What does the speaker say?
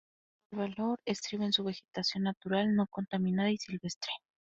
Su principal valor estriba en su vegetación natural no contaminada y silvestre.